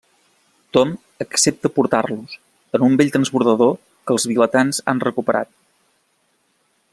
Tom accepta portar-los, en un vell transbordador que els vilatans han recuperat.